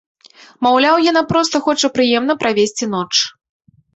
Маўляў, яна проста хоча прыемна правесці ноч.